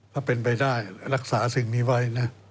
ถ้าเป็นไปได้รักษาสิ่งนี้ไว้นะ